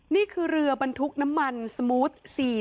นี่คือเรือบรรทุกน้ำมันสมูท๔๐